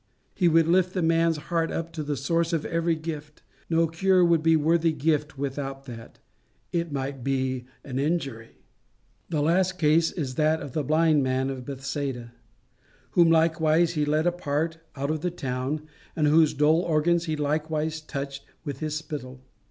He would lift the man's heart up to the source of every gift. No cure would be worthy gift without that: it might be an injury. The last case is that of the blind man of Bethsaida, whom likewise he led apart, out of the town, and whose dull organs he likewise touched with his spittle.